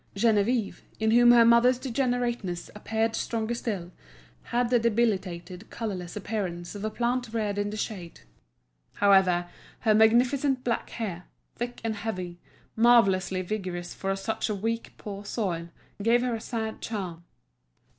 Geneviève, in whom her mother's degenerateness appeared stronger still, had the debilitated, colourless appearance of a plant reared in the shade. However, her magnificent black hair, thick and heavy, marvellously vigorous for such a weak, poor soil, gave her a sad charm.